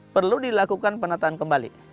perlu dilakukan penataan kembali